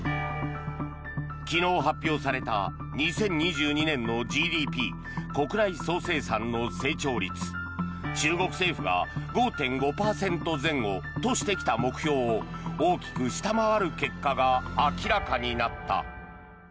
昨日発表された２０２２年のＧＤＰ・国内総生産の成長率中国政府が５．５％前後としてきた目標を大きく下回る結果が明らかになった。